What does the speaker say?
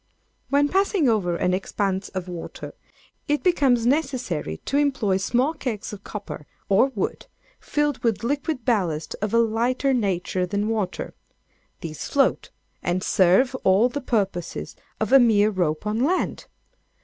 When passing over an expanse of water, it becomes necessary to employ small kegs of copper or wood, filled with liquid ballast of a lighter nature than water. These float, and serve all the purposes of a mere rope on land.